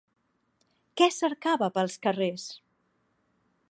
Què cercava pels carrers?